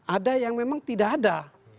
ada yang memang tidak ada